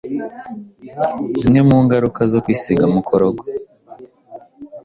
zimwe mu ngaruka zo kwisiga mukorogo